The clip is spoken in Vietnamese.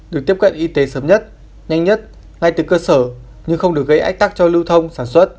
được tiếp cận y tế sớm nhất nhanh nhất ngay từ cơ sở nhưng không được gây ách tắc cho lưu thông sản xuất